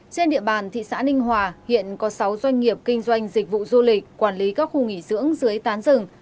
trên địa bàn thị xã ninh hòa hiện có sáu doanh nghiệp kinh doanh dịch vụ du lịch quản lý các khu nghỉ dưỡng dưới tán rừng